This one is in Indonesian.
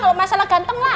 kalo masalah ganteng lah